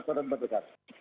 terbang dan berdekat